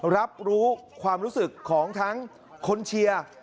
รับรู้ความรู้สึกของทั้งคนเชียร์